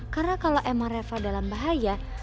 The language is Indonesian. karena kalau emang reva dalam bahaya